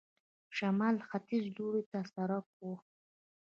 شمال ختیځ لور ته سړک و.